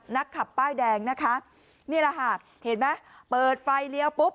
นักขับป้ายแดงนะคะนี่ล่ะฮะเห็นไหม